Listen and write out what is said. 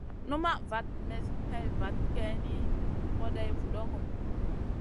Numaʼ vat mestn hè vat geyni, hoday vudoŋo.